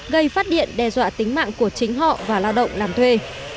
gây phát điện đe dọa tính mạng của chính họ và lao động làm thuê